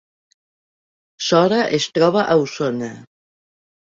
Sora es troba a Osona